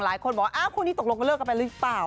หลายคนบอกว่าอ้าวคู่นี้ตกลงเลิกกันไปหรือเปล่า